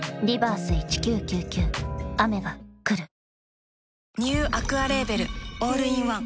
２１ニューアクアレーベルオールインワン